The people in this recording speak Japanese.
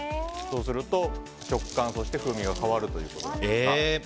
そうすると食感、そして風味が変わるということで。